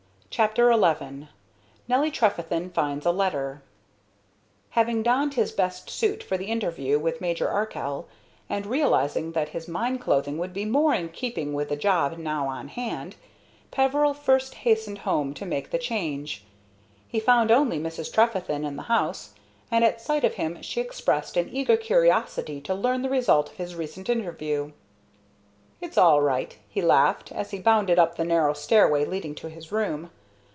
CHAPTER XI NELLY TREFETHEN FINDS A LETTER Having donned his best suit for the interview with Major Arkell, and realizing that his mine clothing would be more in keeping with the job now on hand, Peveril first hastened home to make the change. He found only Mrs. Trefethen in the house, and at sight of him she expressed an eager curiosity to learn the result of his recent interview. "It's all right," he laughed, as he bounded up the narrow stairway leading to his room.